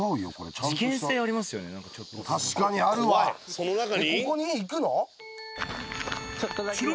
その中に？